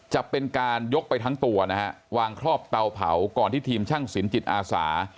จะเป็นการยกไปทั้งตัวนะฮะวางครอบเตาเผาก่อนที่ทีมช่างสินจิตอาสา